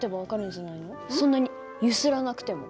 そんなに揺すらなくても。